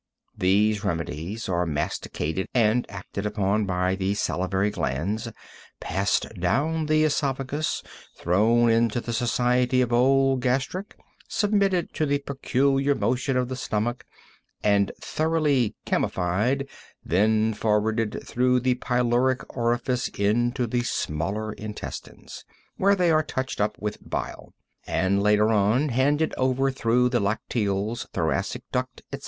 These remedies are masticated and acted upon by the salivary glands, passed down the esophagus, thrown into the society of old gastric, submitted to the peculiar motion of the stomach and thoroughly chymified, then forwarded through the pyloric orifice into the smaller intestines, where they are touched up with bile, and later on handed over through the lacteals, thoracic duct, etc.